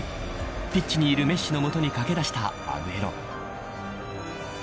ピッチにいるメッシの元に駆けだしたアグエロ。